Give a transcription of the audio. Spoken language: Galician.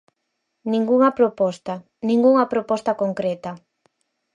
Ningunha proposta, ningunha proposta concreta.